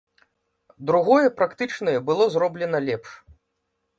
Другое, практычнае, было зроблена лепш.